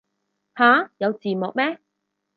吓有字幕咩